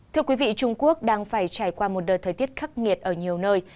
thưa quý vị trung quốc đang phải trải qua một đợt thời tiết khắc nghiệt ở nhiều nơi